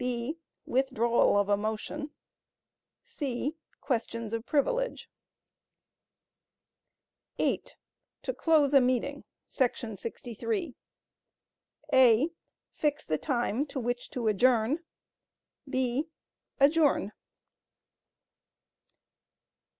(b) Withdrawal of a Motion. (c) Questions of Privilege. (8) To close a meeting …………………………………[§ 63] (a) Fix the time to which to Adjourn. (b) Adjourn.